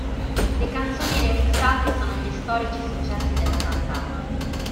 Le canzoni remixate sono gli storici successi della cantante.